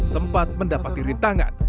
sempat mendapatkan rintangan